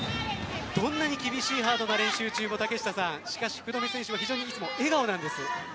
どんなに厳しいハードな練習中も福留選手はいつも笑顔なんです。